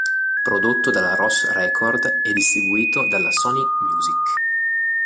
Prodotto dalla Ros Record e distribuito dalla Sony Music.